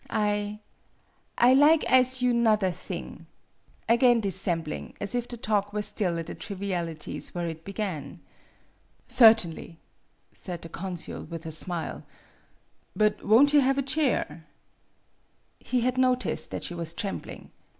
" I I lig as' you 'nether thing" again dissembling, as if the talk were still at the trivialities where it began. " Certainly," said the consul, with a smile. " But won't you have a chair ?" He had noticed that she was trembling.